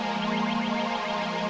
rangga bertahan rangga